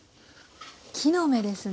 木の芽ですね。